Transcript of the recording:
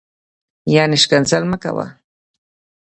یعنی شکنځل نه کوه